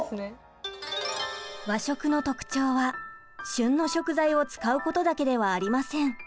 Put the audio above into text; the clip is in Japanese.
和食の特徴は旬の食材を使うことだけではありません。